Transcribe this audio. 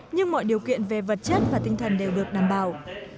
nhưng mọi điều kiện về vật chất và tinh thần đều được đảm bảo